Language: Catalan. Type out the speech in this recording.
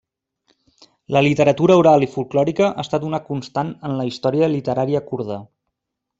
La literatura oral i folklòrica ha estat una constant en la història literària kurda.